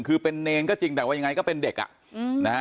คือเป็นเนรก็จริงแต่ว่ายังไงก็เป็นเด็กอ่ะนะฮะ